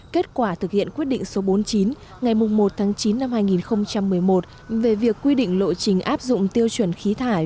kết quả thực hiện quyết định số bốn mươi chín ngày một tháng chín năm hai nghìn một mươi một về việc quy định lộ trình áp dụng tiêu chuẩn khí thải